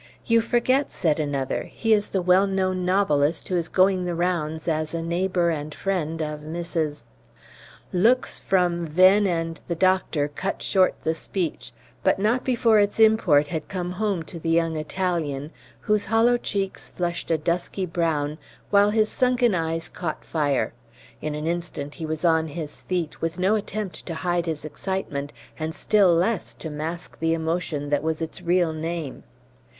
"You forget!" said another. "He is the 'well known novelist' who is going the rounds as a neighbor and friend of Mrs. " Looks from Venn and the doctor cut short the speech, but not before its import had come home to the young Italian, whose hollow cheeks flushed a dusky brown, while his sunken eyes caught fire. In an instant he was on his feet, with no attempt to hide his excitement, and still less to mask the emotion that was its real name.